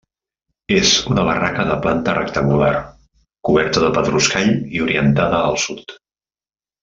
És una barraca de planta rectangular, coberta de pedruscall i orientada al sud.